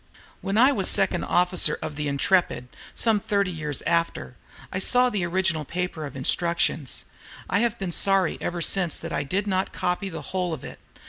When I was second officer of the "Intrepid," some thirty years after, I saw the original paper of instructions. I have been sorry ever since that I did not copy the whole of it.